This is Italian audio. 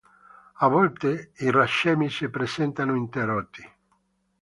A volte i racemi si presentano interrotti.